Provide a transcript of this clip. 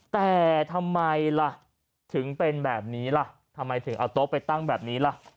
แต่ทำไมล่ะถึงเป็นแบบนี้ล่ะทำไมถึงเอาโต๊ะไปตั้งแบบนี้ล่ะ